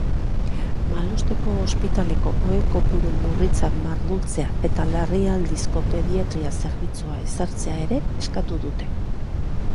Malosteko ospitaleko ohe kopuru murritza mardultzea eta larrialdizko pediatria zerbitzua ezartzea ere eskatu dute.